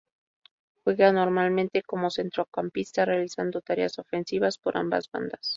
Juega normalmente como centrocampista realizando tareas ofensivas por ambas bandas.